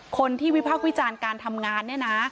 คนที่วิพากษ์วิจารณ์การทำงานนี่นะ